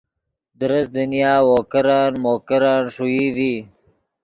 درست دنیا وو کرن مو کرن ݰوئی ڤی